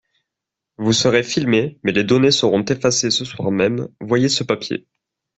Vous serez filmée. Mais les données seront effacées ce soir même, voyez ce papier